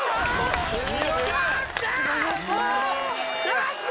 ・・やった！